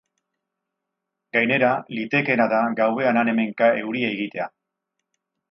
Gainera, litekeena da gauean han hemenka euria egitea.